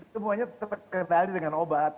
semuanya terkendali dengan obat